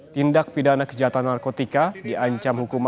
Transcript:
tindak pidana kejahatan narkotika diancam hukuman